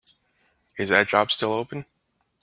Is that job still open?